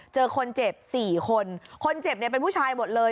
เจอคนเจ็บสี่คนคนเจ็บเนี่ยเป็นผู้ชายหมดเลย